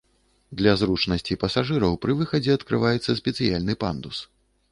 Для зручнасці пасажыраў пры выхадзе адкрываецца спецыяльны пандус.